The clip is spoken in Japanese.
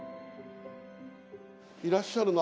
いらっしゃるの？